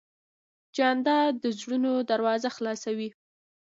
جانداد د زړونو دروازه خلاصوي.